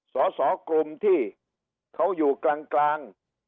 สอสอกลุ่มที่เขาอยู่กลาง